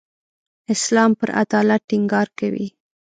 اسلام پر عدالت ټینګار کوي.